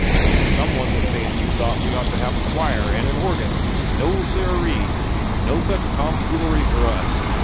Some one was sayin' you thought we ought to have a choir and an organ. No, sirree! No such tom foolery for us!